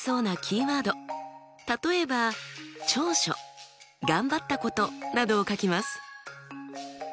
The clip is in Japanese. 例えば長所頑張ったことなどを書きます。